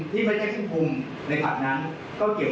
เขาไม่ได้อยู่ในห้องไม่ได้อยู่ตรงที่ดีตลอดเวลา